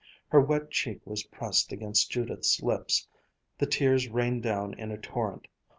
Her wet cheek was pressed against Judith's lips, the tears rained down in a torrent.